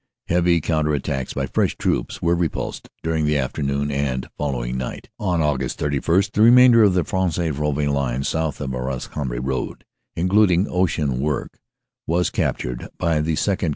Heavy counter attacks by fresh troops were repulsed during the afternoon and following night. "On Aug. 31 the remainder of the Fresnes Rouvroy line south of the Arras Cambrai road, including Ocean Work, was captured by the 2nd.